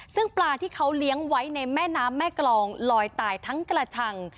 ซึ่งปลาที่เขาเลี้ยงไว้ในแม่น้ำแม่กรองลอยตายทั้งกระชัง